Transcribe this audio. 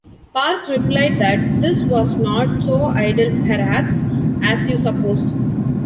Park replied that this was Not so idle perhaps, as you suppose.